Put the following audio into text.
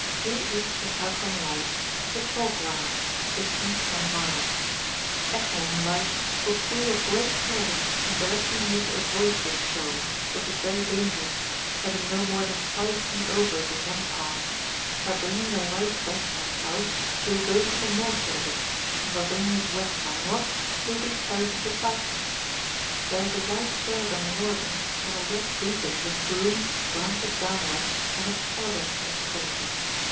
— Due east from Ekholm Light is the Chalk Ground, distant 10 miles. Ekholm light will prove of great service in directing you to avoid this shoal, which is very dangerous, having no more than 6 feet over it in one part : by bringing the light W. by S., you will go to the northward of it, and by bringing it W. by N., you will be carried to the southward; there is a white flag on the northern, and a red beacon, with broom, branches downward, on its southern extremity.